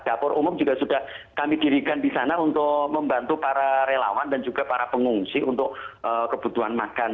dapur umum juga sudah kami dirikan di sana untuk membantu para relawan dan juga para pengungsi untuk kebutuhan makan